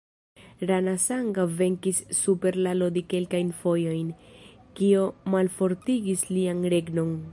Rana Sanga venkis super la Lodi kelkajn fojojn, kio malfortigis lian regnon.